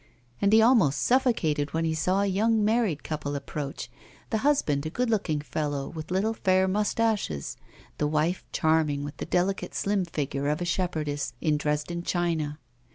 And he almost suffocated when he saw a young married couple approach, the husband a good looking fellow with little fair moustaches, the wife, charming, with the delicate slim figure of a shepherdess in Dresden china.